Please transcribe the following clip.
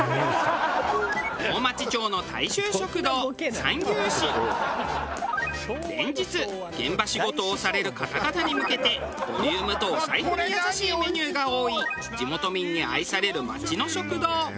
大町町の連日現場仕事をされる方々に向けてボリュームとお財布に優しいメニューが多い地元民に愛される町の食堂。